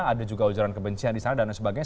ada juga ujaran kebencian disana dan lain sebagainya